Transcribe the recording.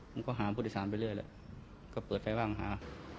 ผมก็หาผู้โดยสารไปเรื่อยแล้วก็เปิดไฟว่างหา